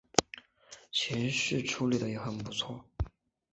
情绪处理的也很不错